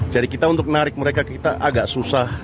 jadi kita untuk narik mereka kita agak susah